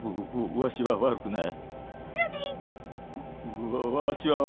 ワシは悪くない。